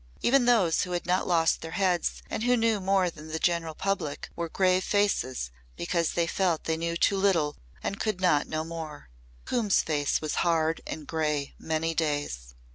Even those who had not lost their heads and who knew more than the general public, wore grave faces because they felt they knew too little and could not know more. Coombe's face was hard and grey many days.